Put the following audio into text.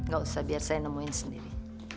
gak usah biar saya nemuin sendiri